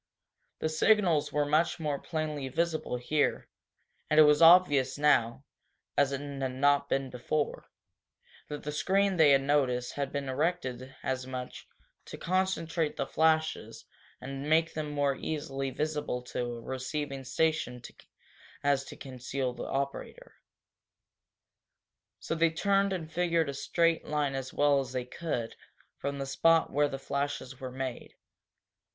The signals were much more plainly visible here, and it was obvious now, as it had not been before, that the screen they had noticed had been erected as much to concentrate the flashes and make them more easily visible to a receiving station as to conceal the operator. So they turned and figured a straight line as well as they could from the spot where the flashes were made.